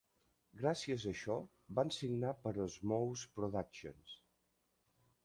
Gràcies a això, van signar per Osmose Productions.